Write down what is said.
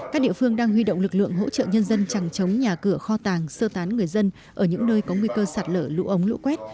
các địa phương đang huy động lực lượng hỗ trợ nhân dân chẳng chống nhà cửa kho tàng sơ tán người dân ở những nơi có nguy cơ sạt lở lũ ống lũ quét